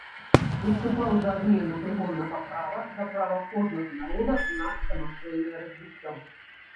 Выступаў за адмену прыгоннага права, за права кожнага народа на самастойнае развіццё.